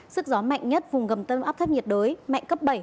sức gió mạnh nhất vùng gần tâm áp thấp nhiệt đới mạnh cấp bảy